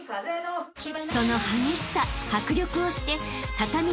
［その激しさ迫力をして］